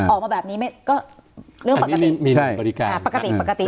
ออกมาแบบนี้ก็เรื่องปกติปกติ